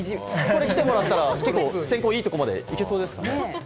来てもらったら結構、選考いいところまで行けそうですね。